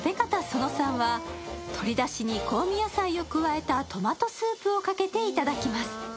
その３は、鶏だしに香味野菜を加えたトマトスープをかけて頂きます。